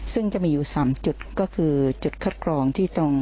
ซึ่งจะมีอยู่๓จุดก็คือจุดคัดกรองที่ตรง